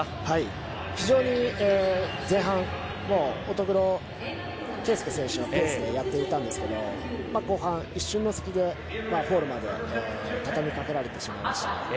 非常に前半乙黒圭祐選手のペースでやっていたんですが後半一瞬の隙でフォールまで畳みかけられてしまいました。